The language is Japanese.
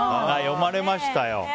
読まれましたよ。